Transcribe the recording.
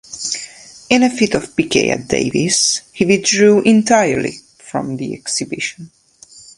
In a fit of pique at Davies, he withdrew entirely from the exhibition.